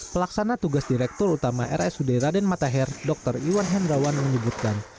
pelaksana tugas direktur utama rsud raden matahir dr iwan hendrawan menyebutkan